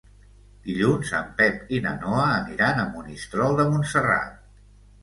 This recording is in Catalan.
Dilluns en Pep i na Noa aniran a Monistrol de Montserrat.